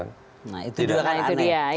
nah itu juga kan itu nih